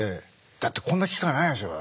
だってこんな機会ないでしょうだって。